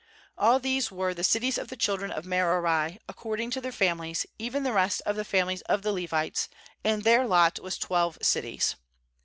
40A11 these were the cities of the children of Merari ac cording to their families, even the rest of the families of the Levites; and their lot was twelve cities.